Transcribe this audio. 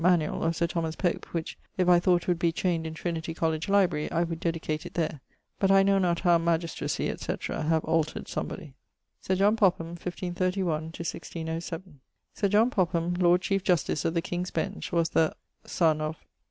manuall of Sir Thomas Pope, which if I thought would be chained in Trinity College library, I would dedicate it there, but I know not how magistracy, etc., have altered somebody. =Sir John Popham= (1531 1607). Sir John Popham[AV], Lord Chiefe Justice of the King's Bench, was the ... son of